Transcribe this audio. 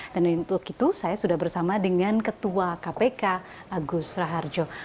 dan untuk itu saya sudah bersama dengan ketua kpk agus raharjo